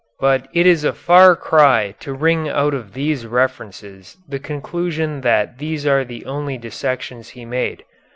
But it is a far cry to wring out of these references the conclusion that these are the only dissections he made.